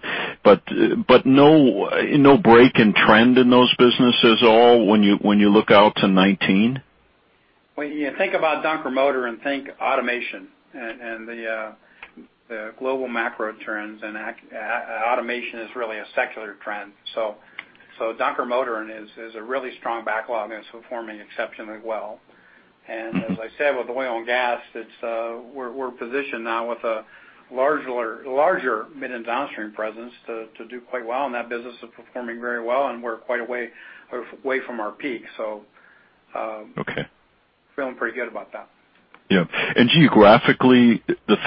no break in trend in those businesses at all when you look out to 2019? Well, yeah. Think about Dunkermotoren and think automation and the global macro trends, automation is really a secular trend. Dunkermotoren has a really strong backlog and it's performing exceptionally well. As I said, with oil and gas, we're positioned now with a larger mid and downstream presence to do quite well, that business is performing very well, we're quite a way from our peak. Okay. Feeling pretty good about that. Yeah. Geographically, the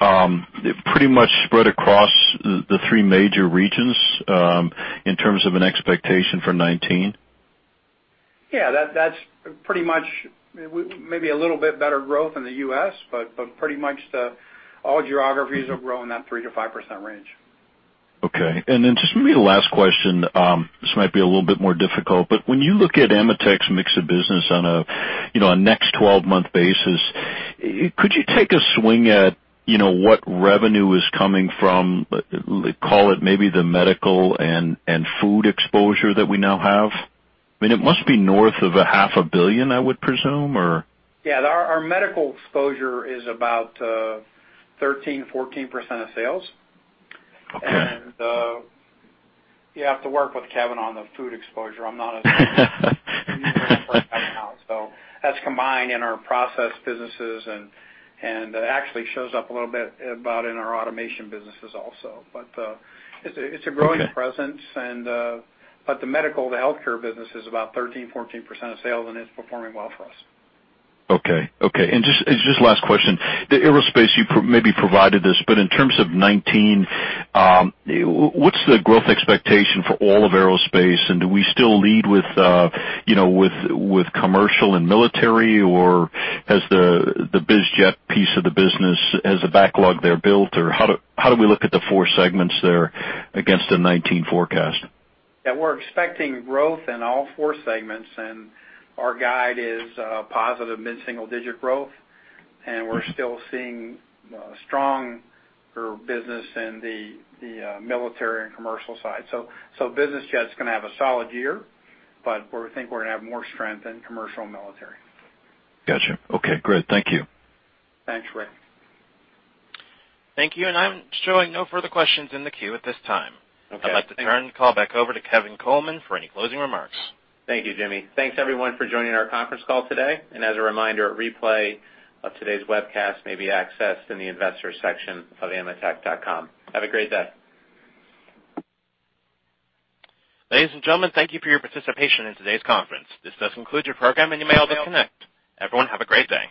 3%-5%, pretty much spread across the three major regions in terms of an expectation for 2019? Yeah. Maybe a little bit better growth in the U.S., but pretty much all geographies will grow in that 3%-5% range. Okay. Just maybe the last question, this might be a little bit more difficult, but when you look at AMETEK's mix of business on a next 12-month basis, could you take a swing at what revenue is coming from, call it maybe the medical and food exposure that we now have? It must be north of a half a billion, I would presume, or? Yeah. Our medical exposure is about 13%, 14% of sales. Okay. You have to work with Kevin on the food exposure. I'm not as familiar right now. That's combined in our process businesses, and actually shows up a little bit about in our automation businesses also. It's a growing presence. The medical, the healthcare business is about 13%, 14% of sales, and it's performing well for us. Okay. Just last question. The aerospace, you maybe provided this, but in terms of 2019, what's the growth expectation for all of aerospace, and do we still lead with commercial and military, or has the biz jet piece of the business, has the backlog there built, or how do we look at the four segments there against the 2019 forecast? Yeah. We're expecting growth in all four segments, and our guide is a positive mid-single digit growth, and we're still seeing stronger business in the military and commercial side. Business jet's going to have a solid year, but we think we're going to have more strength in commercial and military. Got you. Okay, great. Thank you. Thanks, Rick. Thank you. I'm showing no further questions in the queue at this time. Okay. I'd like to turn the call back over to Kevin Coleman for any closing remarks. Thank you, Jimmy. Thanks, everyone, for joining our conference call today. As a reminder, a replay of today's webcast may be accessed in the investors section of ametek.com. Have a great day. Ladies and gentlemen, thank you for your participation in today's conference. This does conclude your program, and you may all disconnect. Everyone, have a great day.